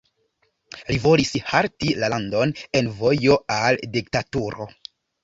Li volis halti la landon en vojo al diktaturo.